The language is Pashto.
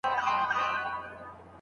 د موزيم ماهر به تر ټولو لوړ قيمت ورکړي.